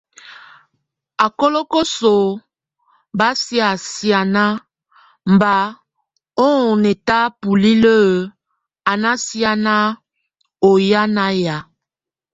A kólokosok bá sɛksíana, mbʼ ó ŋɛta bulile a násian oyák nayak.